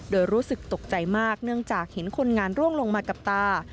โดยรู้สึกตกใจมากเนื่องจากเห็นคนงานร่วงลงมากับตา